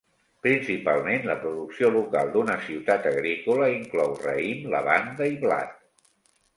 Principalment, la producció local d'una ciutat agrícola inclou raïm, lavanda i blat.